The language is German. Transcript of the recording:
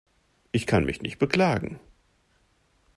Ich kann mich nicht beklagen.